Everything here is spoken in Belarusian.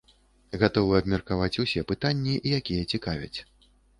Гатовы абмеркаваць усе пытанні, якія цікавяць.